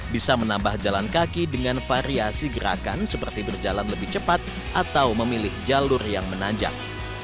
bisa menambah jalan kaki dengan variasi gerakan seperti berjalan lebih cepat atau memilih jalur yang menanjak